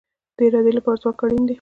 د ارادې لپاره ځواک اړین دی